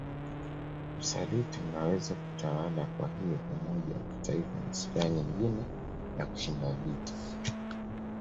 Usaliti unaweza kutawala kwahiyo umoja wa kitaifa ni silaha nyingine ya kushinda vita